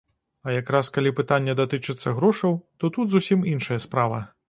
А як раз калі пытанне датычыцца грошаў, то тут зусім іншая справа.